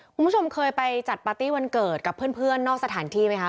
คุณผู้ชมเคยไปจัดปาร์ตี้วันเกิดกับเพื่อนนอกสถานที่ไหมคะ